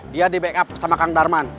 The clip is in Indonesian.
dia di backup sama kang darman